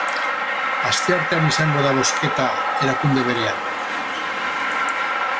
Asteartean izango da bozketa, erakunde berean.